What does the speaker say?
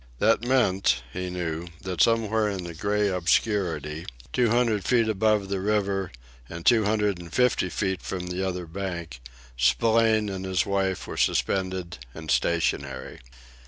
That meant, he knew, that somewhere in the gray obscurity, two hundred feet above the river and two hundred and fifty feet from the other bank, Spillane and his wife were suspended and stationary.